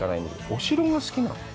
お城が好きなの？